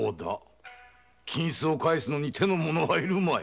金を返すのに手の者はいるまい。